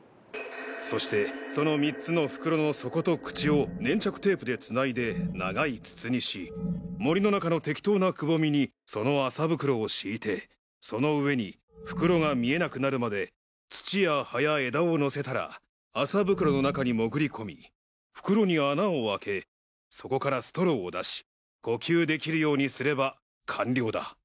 そしてその３つの袋の底と口を粘着テープでつないで長い筒にし森の中の適当なくぼみにその麻袋を敷いてその上に袋が見えなくなるまで土や葉や枝をのせたら麻袋の中に潜り込み袋に穴を開けそこからストローを出し呼吸できるようにすれば完了だ。